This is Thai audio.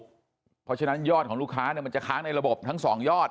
เพราะฉะนั้นยอดของลูกค้ามันจะค้างในระบบทั้ง๒ยอด